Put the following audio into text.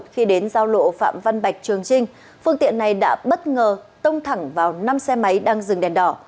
năm mươi tám nghìn năm trăm ba mươi một khi đến giao lộ phạm văn bạch trường trinh phương tiện này đã bất ngờ tông thẳng vào năm xe máy đang dừng đèn đỏ